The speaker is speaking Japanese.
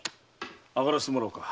上がらせてもらおうか。